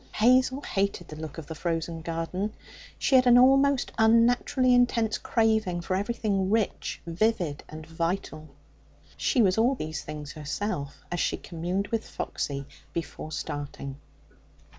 Hazel hated the look of the frozen garden; she had an almost unnaturally intense craving for everything rich, vivid, and vital. She was all these things herself, as she communed with Foxy before starting.